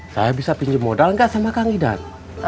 saya bisa pinjem modal gak sama kang idan